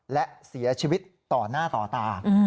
และเสียชีวิตต่อหน้าต่อตา